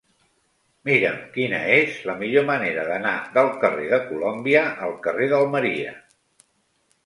Mira'm quina és la millor manera d'anar del carrer de Colòmbia al carrer d'Almeria.